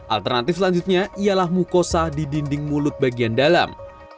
alternatif selanjutnya ialah mukosa di dinding mulut bagian dalam